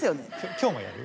今日もやる？